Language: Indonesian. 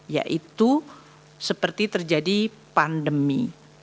yaitu seperti terjadi pandemi